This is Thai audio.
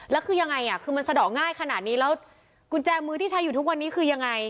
แล้วคือยังไงอ่ะคือมันสะดอกง่ายขนาดนี้แล้วกุญแจมือที่ใช้อยู่ทุกวันนี้คือยังไง